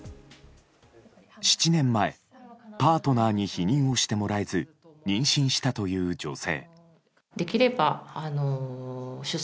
７年前、パートナーに避妊をしてもらえず妊娠したという女性。